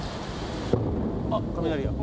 あっ雷や！